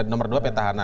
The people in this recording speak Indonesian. nomor dua petahana